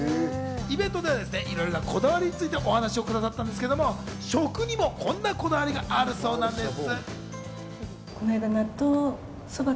イベントではいろいろなお話をくださったんですけれども、食にもこんなこだわりがあるみたいなんです。